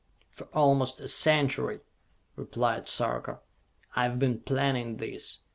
"For almost a century," replied Sarka, "I have been planning this.